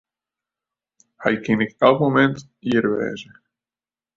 Hy kin ek elk momint hjir wêze.